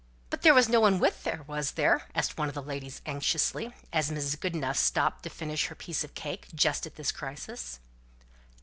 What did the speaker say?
"But there was no one with her, was there?" asked one of the ladies, anxiously, as Mrs. Goodenough stopped to finish her piece of cake, just at this crisis.